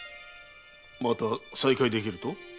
また再会できると？